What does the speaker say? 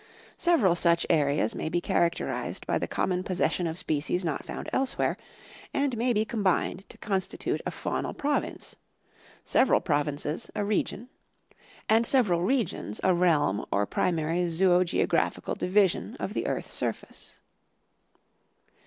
Several such areas may be characterized by the com mon possession of species not found elsewhere, and may be com bined to constitute a faunal province; several provinces, a region; and several r.egions a realm or primary zoo geographical division of the earth's surface.